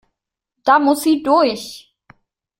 Da muss sie durch!